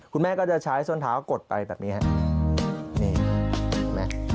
คุณแม่ก็จะใช้ส้นเท้ากดไปแบบนี้ครับ